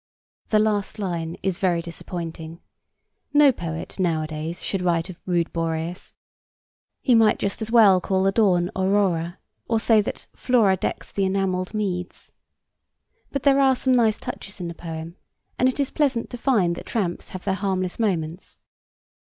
The last line is very disappointing. No poet, nowadays, should write of 'rude Boreas'; he might just as well call the dawn 'Aurora,' or say that 'Flora decks the enamelled meads.' But there are some nice touches in the poem, and it is pleasant to find that tramps have their harmless moments.